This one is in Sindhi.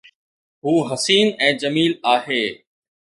هو حسين ۽ جميل آهي